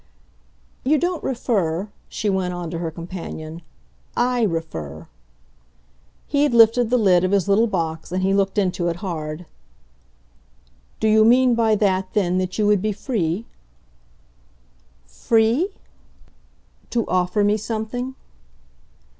"You don't refer," she went on to her companion. "I refer." He had lifted the lid of his little box and he looked into it hard. "Do you mean by that then that you would be free ?" "'Free' ?" "To offer me something?"